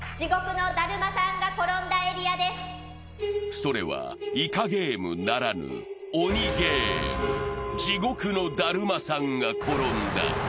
それはイカゲームならぬ、鬼ゲーム、地獄の、だるまさんがころんだ。